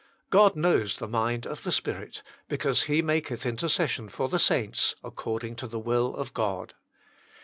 God knows the mind of the Spirit, because He maketh intercession for the saints according to the will of God.